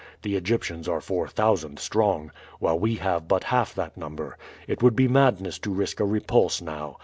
The Egyptians are four thousand strong, while we have but half that number. It would be madness to risk a repulse now.